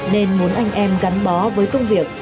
nên muốn anh em gắn bó với công việc